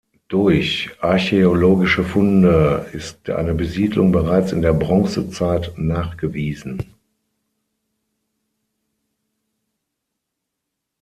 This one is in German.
Durch Archäologische Funde ist eine Besiedlung bereits in der Bronzezeit nachgewiesen.